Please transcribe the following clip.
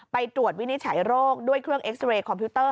ไปตรวจวินิจฉัยโรคด้วยเครื่องเอ็กซ์เรย์คอมพิวเตอร์